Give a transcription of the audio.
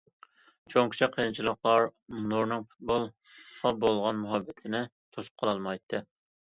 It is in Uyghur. چوڭ- كىچىك قىيىنچىلىقلار نۇرنىڭ پۇتبولغا بولغان مۇھەببىتىنى توسۇپ قالالمايتتى.